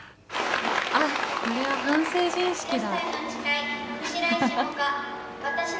あっこれは半成人式だ。